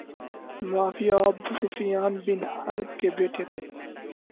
معاویہ Abu Sufyan bin Harb کے بیٹے تھے